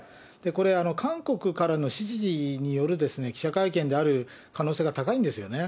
これ、韓国からの指示による記者会見である可能性が高いんですよね。